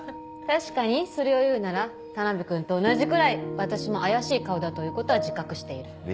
確かにそれを言うなら田辺君と同じくらい私も怪しい顔だということは自覚している。